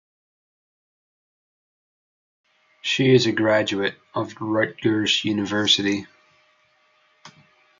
She is a graduate of Rutgers University.